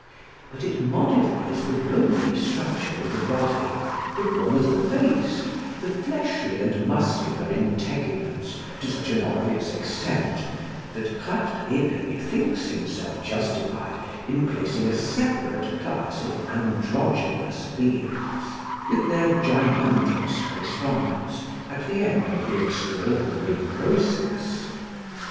But it modifies the bony structure of the body, the form of the face, the fleshly and muscular integuments to such an obvious extent that Krafft Ebing thinks himself justified in placing a separate class of androgynous beings (with their gynandrous correspondents) at the end of the extraordinary process.